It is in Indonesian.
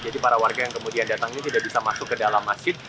jadi para warga yang kemudian datang ini tidak bisa masuk ke dalam masjid